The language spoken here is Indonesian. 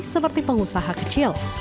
seperti pengusaha kecil